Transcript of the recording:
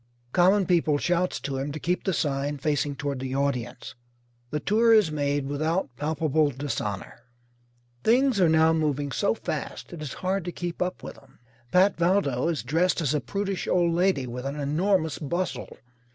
Common People shouts to him to keep the sign facing toward the audience. The tour is made without palpable dishonour. Things are now moving so fast it is hard to keep up with them. Pat Valdo is dressed as a prudish old lady with an enormous bustle.